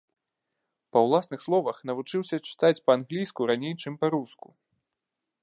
Па ўласных словах, навучыўся чытаць па-англійску раней, чым па-руску.